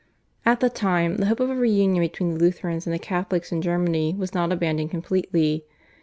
At the time the hope of a reunion between the Lutherans and the Catholics in Germany was not abandoned completely.